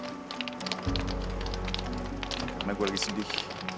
karena gue lagi sedih